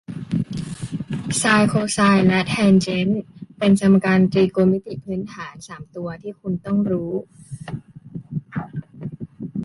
ไซน์โคไซน์และแทนเจนต์เป็นสมการตรีโกณมิติพื้นฐานสามตัวที่คุณต้องรู้